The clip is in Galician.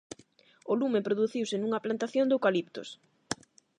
O lume produciuse nunha plantación de eucaliptos.